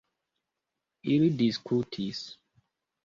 Ili diskutis.